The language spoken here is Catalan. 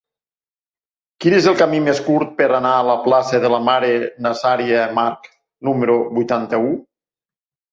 Quin és el camí més curt per anar a la plaça de la Mare Nazaria March número vuitanta-u?